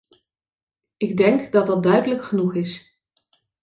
Ik denk dat dat duidelijk genoeg is.